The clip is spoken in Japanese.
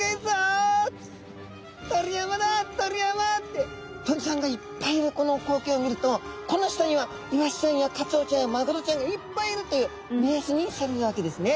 鳥山だあ鳥山！」って鳥さんがいっぱいいるこの光景を見るとこの下にはイワシちゃんやカツオちゃんやマグロちゃんがいっぱいいるという目安にされるわけですね。